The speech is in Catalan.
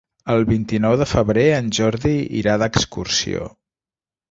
El vint-i-nou de febrer en Jordi irà d'excursió.